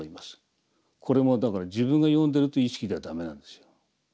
これもだから自分が読んでるという意識ではダメなんですよ。